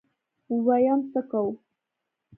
ويم څه کوو.